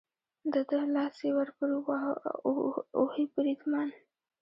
د ده لاس یې ور پورې وواهه، اوهې، بریدمن.